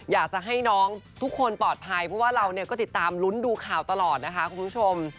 อยากจะให้น้องทุกคนปลอดภัยเพราะว่าเราเนี่ยก็ติดตามลุ้นดูข่าวตลอดนะคะคุณผู้ชม